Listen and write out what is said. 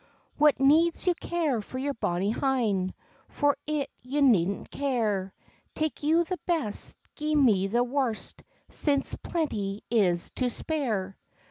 "What needs you care for your bonny hyn? For it you needna care; Take you the best, gi me the warst, Since plenty is to spare."